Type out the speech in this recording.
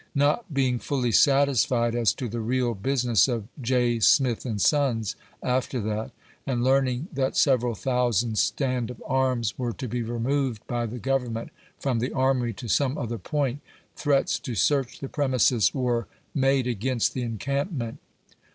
Not being fully satisfied as to the real business of " J. Smith & Sons " after that, and learning that several thousand stand of arms were to be removed by the Government from the Armory to some other point, threats to search the premises were made against the encampment.